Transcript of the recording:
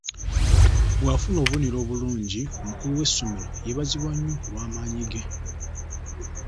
Bw'afuna obubonero obulungi, omukulu w'essomero yeebazibwa nnyo olw'amaanyi ge.